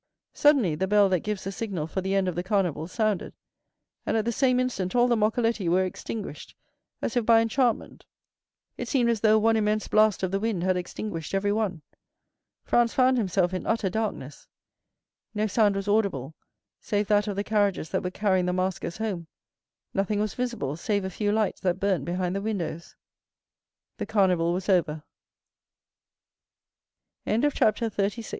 Suddenly the bell that gives the signal for the end of the Carnival sounded, and at the same instant all the moccoletti were extinguished as if by enchantment. It seemed as though one immense blast of the wind had extinguished everyone. Franz found himself in utter darkness. No sound was audible save that of the carriages that were carrying the maskers home; nothing was visible save a few lights that burnt behind the windows. The Carnival was over. 20193m Chapter 37.